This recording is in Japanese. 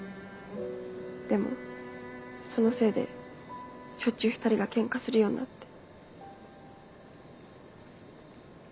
でもそのせいでしょっちゅう２人がケンカするようになって。